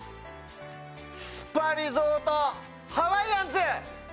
スパリゾートハワイアンズ！